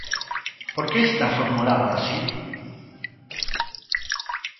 Por que está formulada así?